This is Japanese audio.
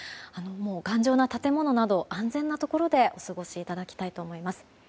頑丈な建物など安全なところでお過ごしいただきたいと思います。